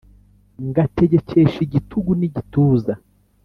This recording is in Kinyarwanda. ngategekesha igitugu n’igituza’